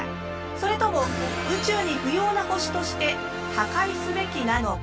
それとも宇宙に不要な星として破壊すべきなのか？